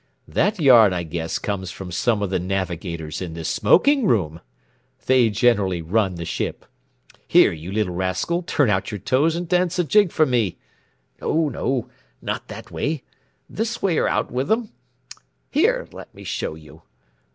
That yarn, I guess, comes from some of the navigators in the smoking room. They generally run the ship. Here, you little rascal, turn out your toes and dance a jig for me. No no not that way this way r out with them! Here, let me show you.